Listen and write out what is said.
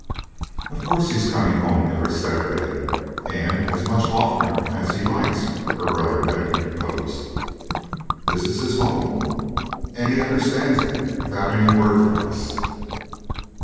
"Of course he's coming home every Saturday, and as much oftener as he likes," her brother had interposed. "This is his home, and he understands it without any words from us."